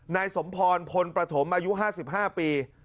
นายสมพรพลประถมอายุห้าสิบห้าปี